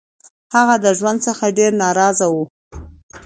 هغه د ژوند څخه ډير نا رضا وو